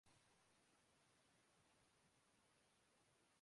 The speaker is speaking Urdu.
بہرحال ایک بات اچنبھے سے خالی نہیں۔